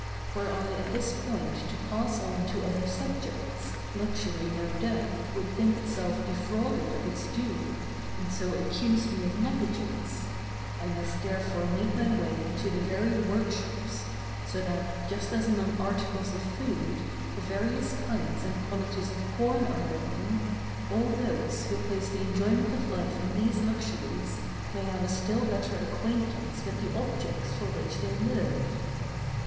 Were I at this point to pass on to other subjects, luxury, no doubt, would think itself defrauded of its due, and so accuse me of negligence; I must therefore make my way into the very workshops, so that, just as among articles of food the various kinds and qualities of corn are known, all those who place the enjoyment of life in these luxuries may have a still better acquaintance with the objects for which they live.